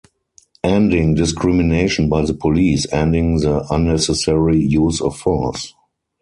Ending discrimination by the police, ending the unnecessary use of force